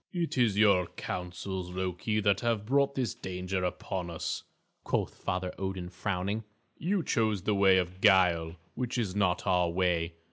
"It is your counsels, Loki, that have brought this danger upon us," quoth Father Odin, frowning. "You chose the way of guile, which is not our way.